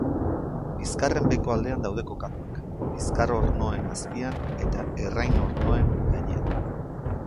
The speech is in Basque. Bizkarraren beheko aldean daude kokatuak, bizkar-ornoen azpian eta errain-ornoen gainean.